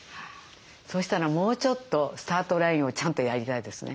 そうしたらもうちょっとスタートラインをちゃんとやりたいですね。